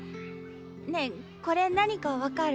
ねえこれ何か分かる？